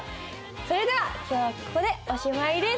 それでは今日はここでおしまいです。